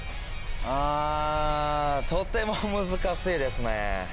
あぁとても難しいですね。